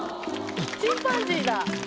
チンパンジーだ。